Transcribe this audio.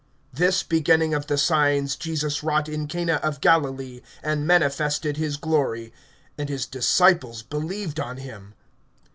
(11)This beginning of the signs Jesus wrought in Cana of Galilee, and manifested his glory; and his disciples believed on him.